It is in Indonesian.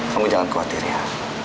kamu jangan khawatir ya